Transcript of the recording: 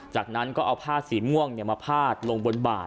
จากนั้นก็เอาผ้าสีม่วงมาพาดลงบนบ่า